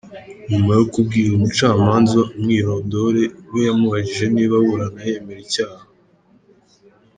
Nyuma yo kubwira umucamanza umwirondore we yamubajije niba aburana yemera icyaha.